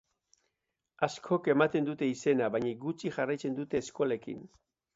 Askok ematen dute izena, baina gutxik jarraitzen dute eskolekin.